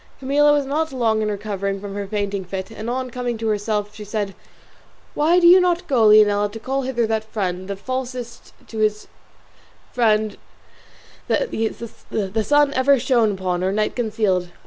Camilla was not long in recovering from her fainting fit and on coming to herself she said, "Why do you not go, Leonela, to call hither that friend, the falsest to his friend the sun ever shone upon or night concealed?